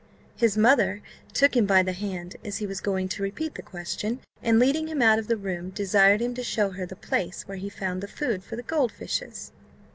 His mother took him by the hand, as he was going to repeat the question, and leading him out of the room, desired him to show her the place where he found the food for the gold fishes.